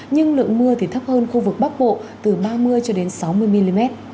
nhưng lượng mưa thì thấp hơn khu vực bắc bộ từ ba mươi sáu mươi mm